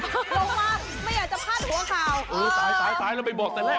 ลงมาไม่อยากจะพาดหัวข่าวเออสายสายแล้วไปบอกแต่แรก